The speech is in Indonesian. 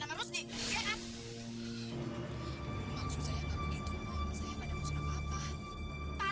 kamu harus marah